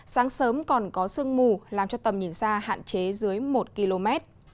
sáng sớm còn có sương mù làm cho tầm nhìn xa hạn chế dưới một km